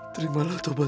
terima kasih tuhan